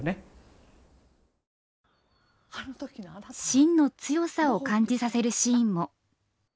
芯の強さを感じさせるシーンも。